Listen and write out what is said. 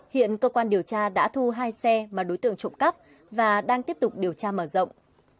hiện cơ quan điều tra đã thu hai xe mà đối tượng trộm cắp và đang tiếp tục điều tra mở rộng